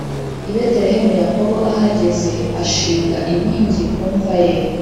i Betelehemu Yakobo ahageze ashinga inkingi ku mva ye